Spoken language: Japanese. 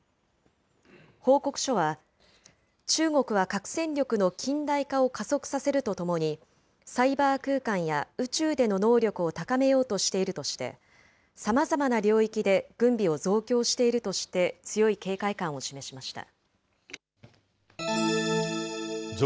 報告書は、中国は核戦力の近代化を加速させるとともに、サイバー空間や宇宙での能力を高めようとしているとして、さまざまな領域で軍備を増強しているとして強い警戒感を示しまし上